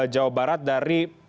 jawa barat dari